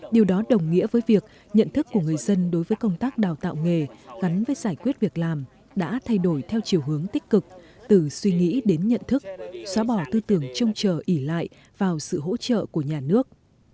điều đó đồng nghĩa với việc nhận thức của người dân đối với công tác đào tạo nghề gắn với giải quyết việc làm đã thay đổi theo chiều hướng tích cực từ suy nghĩ đến nhận thức xóa bỏ tư tưởng trông chờ ỉ lại vào sự hỗ trợ của nhà nước